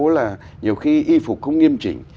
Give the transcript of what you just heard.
là nhiều khi y phục không nghiêm trình